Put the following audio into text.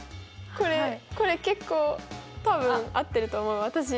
これこれ結構多分合ってると思う私。